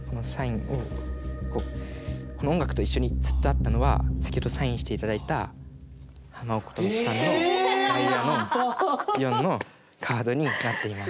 この音楽と一緒にずっとあったのは先ほどサインして頂いたハマ・オカモトさんのダイヤの４のカードになっています。